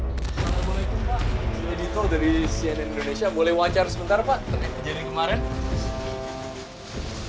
assalamualaikum pak saya dito dari cnn indonesia boleh wajar sebentar pak